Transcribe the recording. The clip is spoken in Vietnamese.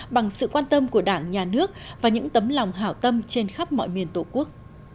bằng sự quan tâm của đảng nhà nước và những tấm lòng hảo tâm trên khắp mọi miền tổ quốc